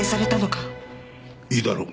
いいだろう。